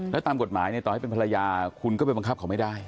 แล้วตามกฎหมายต่อให้เป็นภรรยาคุณก็ไปบังคับเขาไม่ได้